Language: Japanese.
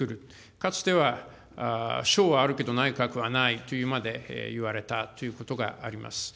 かつては省はあるけど内閣はないとまでいわれたということがあります。